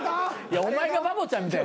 お前がバボちゃんみたい。